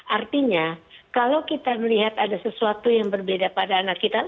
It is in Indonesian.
artinya kalau kita melihat ada sesuatu yang berbeda pada anak kita